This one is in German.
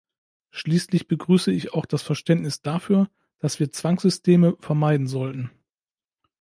Schließlich begrüße ich auch das Verständnis dafür, dass wir Zwangssysteme vermeiden sollten.